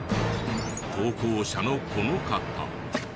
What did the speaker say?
投稿者のこの方。